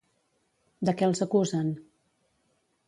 De què els acusen?